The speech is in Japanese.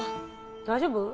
大丈夫？